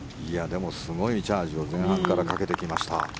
でもすごいチャージをかけてきました。